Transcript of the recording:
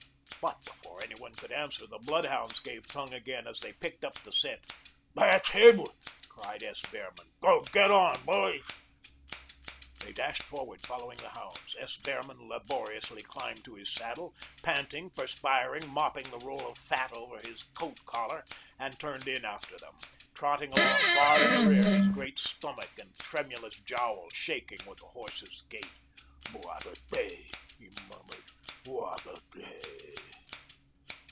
But before anyone could answer, the bloodhounds gave tongue again, as they picked up the scent. "That's him," cried S. Behrman. "Get on, boys." They dashed forward, following the hounds. S. Behrman laboriously climbed to his saddle, panting, perspiring, mopping the roll of fat over his coat collar, and turned in after them, trotting along far in the rear, his great stomach and tremulous jowl shaking with the horse's gait. "What a day," he murmured. "What a day."